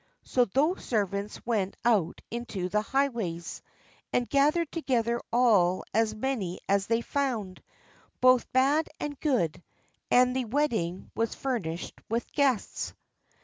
So those servants went out into the highways, and gathered together all as many as they found, both bad and good: and the wedding was furnished with guests.